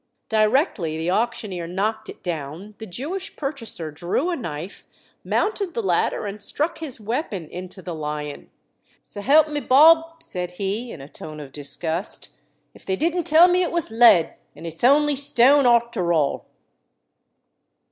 Directly the auctioneer knocked it down the Jewish purchaser drew a knife, mounted the ladder, and struck his weapon into the lion. "S'help me, Bob!" said he, in a tone of disgust, "if they didn't tell me it was lead, and it's only stone arter all!"